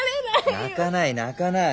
泣かない泣かない。